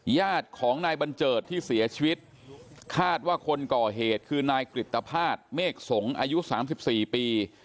ญาติของนายบัญเจิดที่เสียชีวิตคาดว่าคนก่อเหตุคือนายกริตภาษณเมฆสงศ์อายุ๓๔ปี